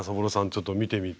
ちょっと見てみて。